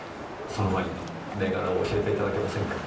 そのワインの銘柄を教えていただけませんか？